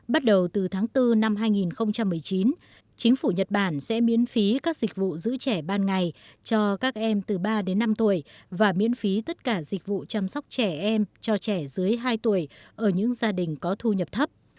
bắt đầu từ tháng bốn năm hai nghìn một mươi chín chính phủ nhật bản sẽ miễn phí các dịch vụ giữ trẻ ban ngày cho các em từ ba đến năm tuổi và miễn phí tất cả dịch vụ chăm sóc trẻ em cho trẻ dưới hai tuổi ở những gia đình có thu nhập thấp